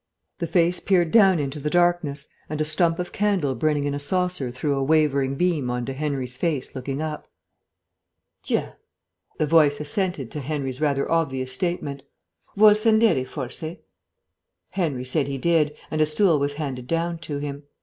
The face peered down into the darkness, and a stump of candle burning in a saucer threw a wavering beam on to Henry's face looking up. "Già," the voice assented to Henry's rather obvious statement. "Voul scendere, forse?" Henry said he did, and a stool was handed down to him.